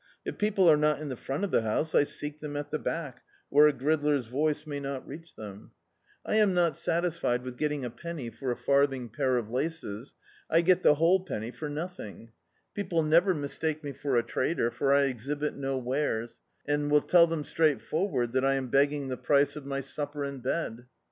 If people are not in the front of the house, I seek them at the back, where a gridler's voice may not reach them. I am not satisfied with D,i.,.db, Google Some Ways of Making a living getting a penny for a farthing pair of laces — I get the whole penny for nothing. People never mis take mc for a trader, for I exhibit no wares, and tell them straightforward that I am bc^ng the price of my supper and bed."